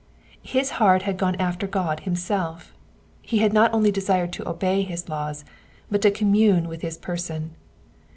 '" His heart had gone after God himself : he had not only desired to obey his laws, but to commune with his person.